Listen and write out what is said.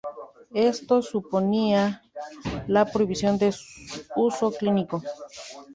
Esto suponía la prohibición de su uso clínico.